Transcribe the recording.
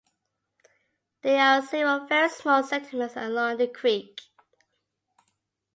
There are several very small settlements along the creek.